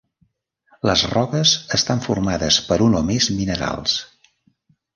Les roques estan formades per un o més minerals.